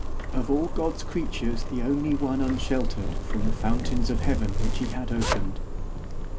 Of all God's creatures the only one unsheltered from the fountains of Heaven which He had opened.